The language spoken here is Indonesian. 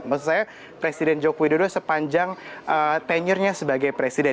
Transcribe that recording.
maksud saya presiden joko widodo sepanjang tenyurnya sebagai presiden